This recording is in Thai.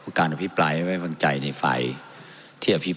เพราะมันก็มีเท่านี้นะเพราะมันก็มีเท่านี้นะ